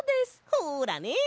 ほらね！